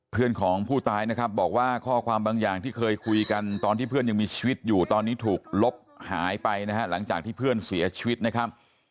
เพื่อนของผู้ตายนะครับบอกว่าข้อความบางอย่างที่เคยคุยกันตอนที่เพื่อนยังมีชีวิตอยู่ตอนนี้ถูกลบหายไปนะฮะหลังจากที่เพื่อนเสียชีวิตนะครับ